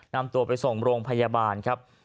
นำตัวไปส่งโรงพยาบาลครับ